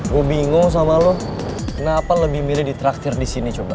gue bingung sama lo kenapa lebih mirip ditraktir di sini coba